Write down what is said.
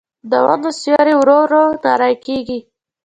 د ونو سیوري ورو ورو نری کېږي